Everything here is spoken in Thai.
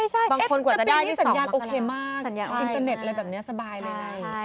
ใช่แต่ปีนี้สัญญาณโอเคมากอินเทอร์เน็ตอะไรแบบนี้สบายเลย